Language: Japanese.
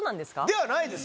ではないです。